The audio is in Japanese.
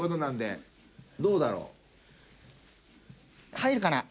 入るかな？